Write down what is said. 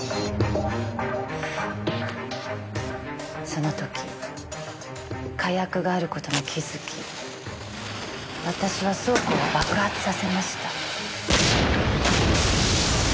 その時火薬がある事に気づき私は倉庫を爆発させました。